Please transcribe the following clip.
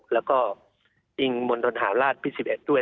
แล้วก็มนตรคาบราชพี่๑๑ด้วย